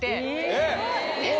えっ！